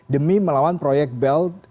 demi melawan proyek belt